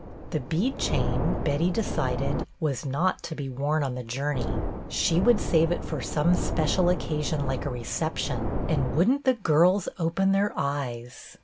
The bead chain, Betty decided, was not to be worn on the journey; she would save it for some special occasion like a reception, and would n't the girls open their eyes!